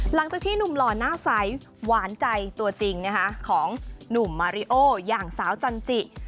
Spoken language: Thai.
หลังจากที่หนุ่มหล่อหน้าใสหวานใจตัวจริงของหนุ่มมาริโออย่างสาวจันจิ